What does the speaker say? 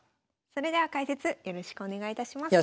それでは解説よろしくお願いいたします。